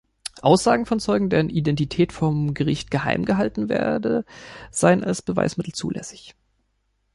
Aussagen von Zeugen, deren Identität vom Gericht geheim gehalten werde, seien als Beweismittel zulässig.